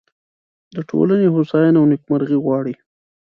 د ټولنې هوساینه او نیکمرغي غواړي.